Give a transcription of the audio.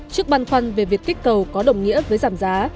trước băn khoăn về việc kích cầu có đồng nghĩa với giảm giá